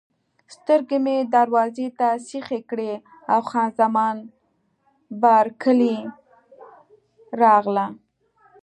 سترګې مې دروازې ته سیخې کړې او خان زمان بارکلي راغله.